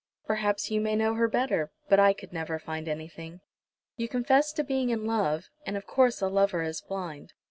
"Perhaps you may know her better, but I never could find anything. You confess to being in love, and of course a lover is blind.